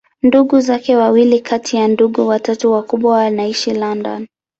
Ndugu zake wawili kati ya ndugu watatu wakubwa wanaishi London.